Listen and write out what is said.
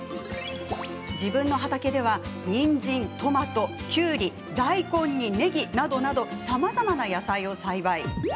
自分の畑では、にんじんトマト、きゅうり大根に、ねぎなどなどさまざまな野菜を栽培。